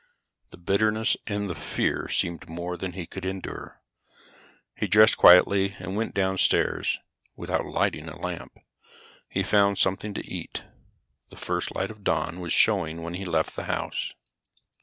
The bitterness and the fear seemed more than he could endure. He dressed quietly and went downstairs. Without lighting a lamp, he found something to eat. The first light of dawn was showing when he left the house.